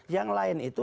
yang lain itu